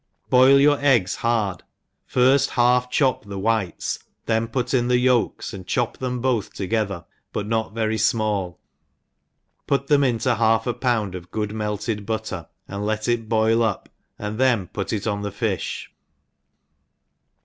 BOIL your eggs hard, firft half chop the B, then put in the yolks, and chop them bSth together, but not very fmall, put them into half a pound of good melted butter, and let it boil upf then put it on the fifh.